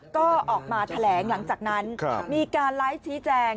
ก็ออกมาแถลงหลังจากนั้นมีการไลฟ์ชี้แจง